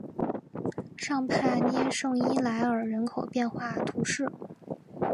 尚帕涅圣伊莱尔人口变化图示